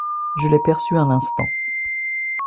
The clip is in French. Je l'ai perçu un instant.